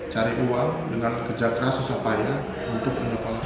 cari uang dengan kejaksanaan sesuapanya untuk menjepang